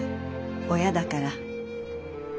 親だから。